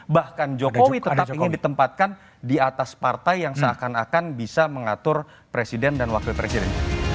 bahkan jokowi tetap ingin ditempatkan di atas partai yang seakan akan bisa mengatur presiden dan wakil presiden